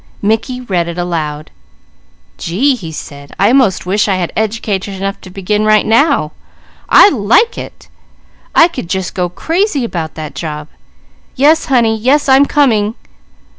Mickey read it aloud. "Gee!" he said. "I 'most wish I had education enough to begin right now. I'd like it! I could just go crazy about that job! Yes honey! Yes, I'm coming!"